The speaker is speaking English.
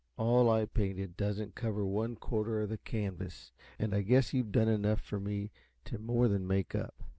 All I painted doesn't cover one quarter of the canvas, and I guess you've done enough for me to more than make up.